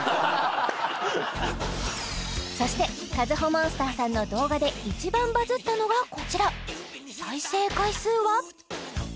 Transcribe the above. そしてＫａｚｕｈｏＭｏｎｓｔｅｒさんの動画でいちばんバズったのがこちら再生回数は？